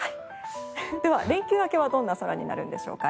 では、連休明けはどんな空になるんでしょうか。